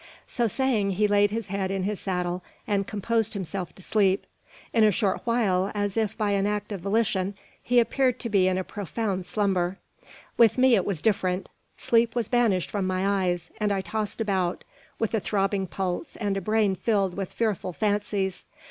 So saying, he laid his head in his saddle, and composed himself to sleep. In a short while, as if by an act of volition, he appeared to be in a profound slumber. With me it was different. Sleep was banished from my eyes, and I tossed about, with a throbbing pulse and a brain filled with fearful fancies.